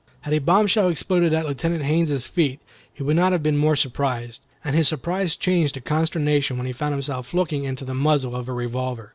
Had a bombshell exploded at Lieutenant Haines's feet he would not have been more surprised, and his surprise changed to consternation when he found himself looking into the muzzle of a revolver.